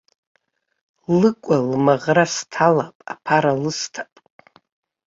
Лыкәа, лмаӷра сҭалап, аԥара лысҭап.